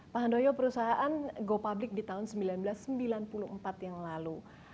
pak handoyo perusahaan go public di tahun seribu sembilan ratus sembilan puluh empat yang lalu